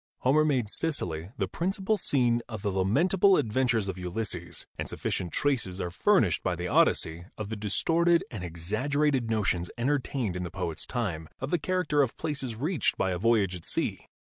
Homer made Sicily the principal scene of the lamentable adventures of Ulysses, and sufficient traces are furnished by the Odyssey of the distorted and exaggerated notions entertained in the poet's time of the character of places reached by a voyage at sea.